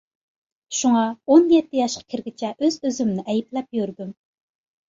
شۇڭا، ئون يەتتە ياشقا كىرگۈچە ئۆز-ئۆزۈمنى ئەيىبلەپ يۈردۈم.